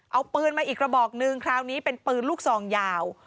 เอาปืนมาอีกระบอกนึงคราวนี้เป็นปืนลูกซองยาว